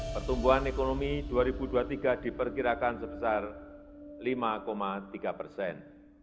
pertumbuhan ekonomi dua ribu dua puluh tiga diperkirakan sebesar lima tiga persen